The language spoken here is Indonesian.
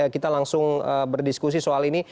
kita langsung berdiskusi soal ini